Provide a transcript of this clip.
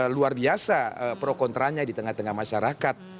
luar biasa pro kontranya di tengah tengah masyarakat